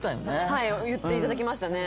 はい言っていただきましたね。